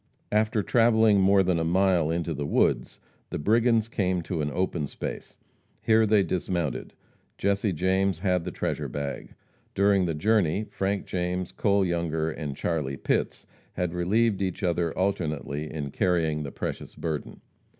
After travelling more than a mile in the woods, the brigands came to an open space. Here they dismounted. Jesse James had the treasure bag. During the journey, Frank James, Cole Younger and Charlie Pitts had relieved each other alternately in carrying the precious burden.